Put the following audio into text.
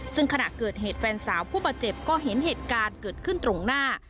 ซึ่งขณะเกิดเหตุแฟนสาวผู้บาดเจ็บก็เห็นเหตุการณ์เกิดขึ้นตรงหน้า